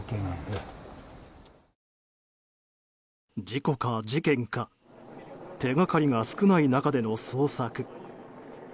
事故か、事件か手がかりが少ない中での捜索。